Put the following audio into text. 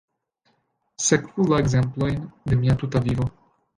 Sekvu la ekzemplojn de mia tuta vivo.